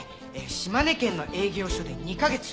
島根県の営業所で２か月。